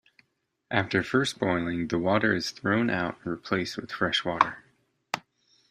After first boiling, the water is thrown out and replaced with fresh water.